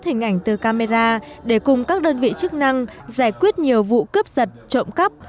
hình ảnh từ camera để cùng các đơn vị chức năng giải quyết nhiều vụ cướp giật trộm cắp